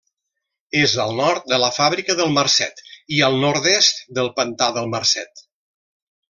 És al nord de la Fàbrica del Marcet i al nord-est del Pantà del Marcet.